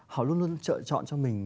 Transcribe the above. họ luôn luôn chọn cho mình